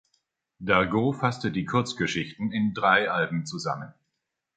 Dargaud fasste die Kurzgeschichten in drei Alben zusammen.